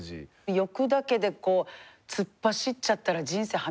欲だけで突っ走っちゃったら人生破滅する。